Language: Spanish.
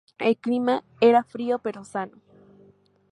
El clima era frío pero sano.